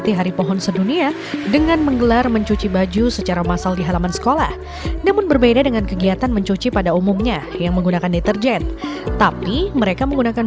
bagi para siswa cara mencuci baju ini tergolong baru tapi cukup baik karena tidak mencemari lingkungan